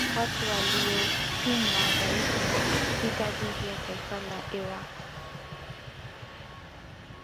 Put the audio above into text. Watu waliopinga zaidi vita dhidi ya taifa la Iraq